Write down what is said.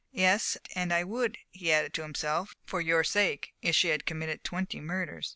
(Yes, and I would," he added to himself "for your sake, if she had committed twenty murders.")